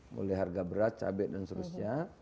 mulai harga berat cabai dan sebagainya